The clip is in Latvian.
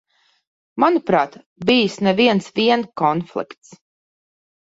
Manuprāt, bijis ne viens vien konflikts.